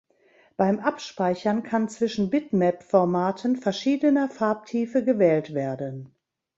Beim Abspeichern kann zwischen Bitmap-Formaten verschiedener Farbtiefe gewählt werden.